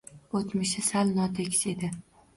Oʻtmishi sal notekis edi.